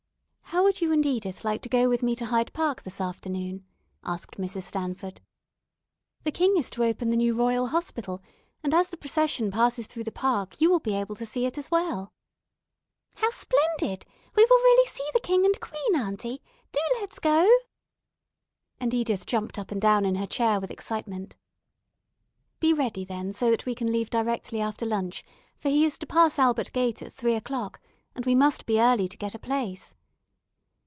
"How would you and Edith like to go with me to Hyde Park this afternoon?" asked Mrs. Stamford. "The king is to open the new Royal Hospital, and as the procession passes through the park you will be able to see it well." "How splendid! We will really see the king and queen, aunty? Do let's go," and Edith jumped up and down in her chair with excitement. "Be ready, then, so that we can leave directly after lunch, for he is to pass Albert Gate at three o'clock, and we must be early to get a place."